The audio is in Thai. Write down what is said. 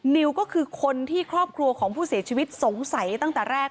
นิวก็คือคนที่ครอบครัวของผู้เสียชีวิตสงสัยตั้งแต่แรก